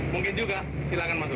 mungkin juga silahkan masuk